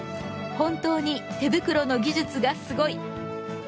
「本当に手袋の技術がすごい」。